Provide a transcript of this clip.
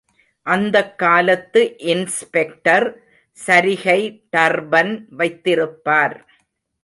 அந்தக் காலத்து இன்ஸ்பெக்டர் சரிகை டர்பன் வைத்திருப்பார்.